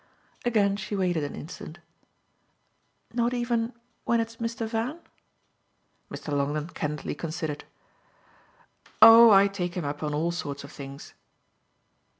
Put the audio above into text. Again she waited an instant. "Not even when it's Mr. Van?" Mr. Longdon candidly considered. "Oh I take him up on all sorts of things."